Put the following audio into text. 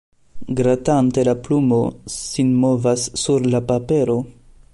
Gratante la plumo sin movas sur la papero.